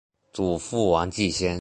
祖父王继先。